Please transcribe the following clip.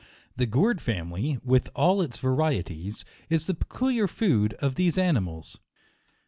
The gourd family, with all its varieties, is the peculiar food of these animals.